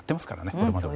これまでも。